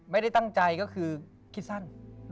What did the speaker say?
ไม่ได้ตั้งใจก็คือคิดสั้น